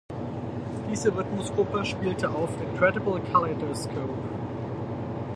Diese Rhythmusgruppe spielte auf "Incredible Kaleidoscope".